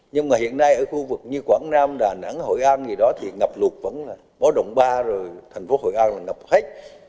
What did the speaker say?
nhưng mà hiện nay ở khu vực như quảng nam đà nẵng hội an gì đó thì ngập lụt vẫn là báo động ba rồi thành phố hội an là ngập hết